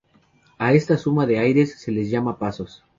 A esta suma de aires se les llama pasos.